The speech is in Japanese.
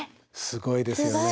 すごいですよね。